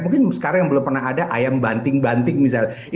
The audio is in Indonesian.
mungkin sekarang yang belum pernah ada ayam banting banting misalnya